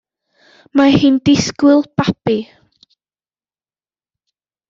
Mae hi'n disgwyl babi.